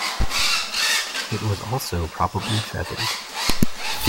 It was also probably feathered.